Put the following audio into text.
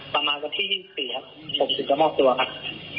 ประมาณวันที่ยี่สิบสี่ครับผมถึงจะมอบตัวครับ